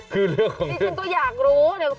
คือเรื่องของเธอนะครับในจริงก็อยากรู้